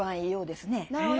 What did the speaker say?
なるほど。